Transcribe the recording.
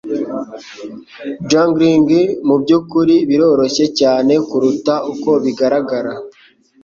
Juggling mubyukuri biroroshye cyane kuruta uko bigaragara.